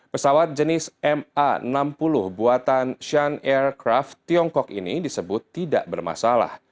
pesawat jenis ma enam puluh buatan shen aircraft tiongkok ini disebut tidak bermasalah